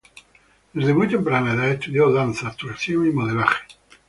Desde muy temprana edad estudió danza, actuación y modelaje.